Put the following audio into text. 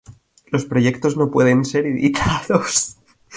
Los proyectos no pueden ser editados.